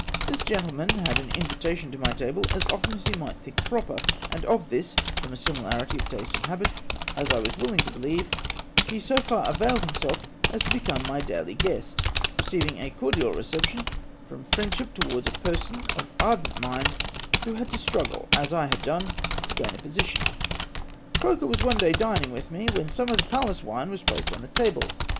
This gentle man had an invitation to my table as often as he might think proper, and of this — from a similarity of taste and habit, as I was willing to beheve — he so far availed himself as to become my daily guest ; receiving a cordial reception, from friendship towards a person of ardent mind, who had to struggle as I had done to gain a position. Croker was one day dining with me, when some of the Pallas \vine was placed on the table.